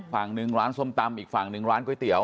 ฝั่งหนึ่งร้านส้มตำอีกฝั่งหนึ่งร้านก๋วยเตี๋ย